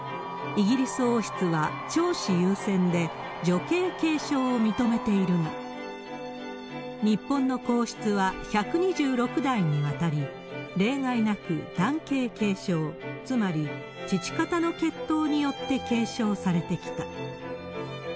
イギリス王室は長子優先で、女系継承を認めているが、日本の皇室は１２６代にわたり、例外なく男系継承、つまり父方の血統によって継承されてきた。